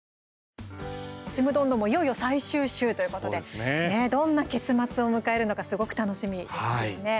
「ちむどんどん」もいよいよ最終週ということでどんな結末を迎えるのかすごく楽しみですけどね。